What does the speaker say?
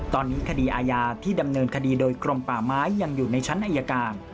ตอนนี้คดีอาญาที่ดำเนินคดีโดยกรมป่าไม้ยังอยู่ในชั้นอายการ